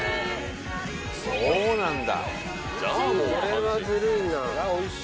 そうなんだ。